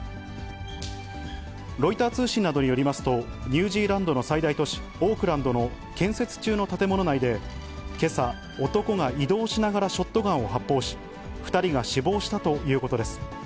ロイター通信などによりますと、ニュージーランドの最大都市、オークランドの建設中の建物内で、けさ、男が移動しながらショットガンを発砲し、２人が死亡したということです。